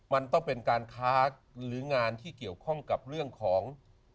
มันต้องเป็นการค้าหรืองานที่เกี่ยวข้องกับเรื่องของ